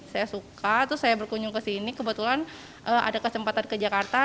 saya suka terus saya berkunjung ke sini kebetulan ada kesempatan ke jakarta